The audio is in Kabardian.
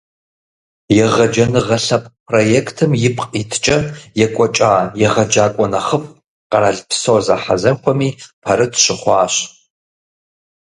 «Егъэджэныгъэ» лъэпкъ проектым ипкъ иткӀэ екӀуэкӀа «егъэджакӀуэ нэхъыфӀ» къэралпсо зэхьэзэхуэми пэрыт щыхъуащ.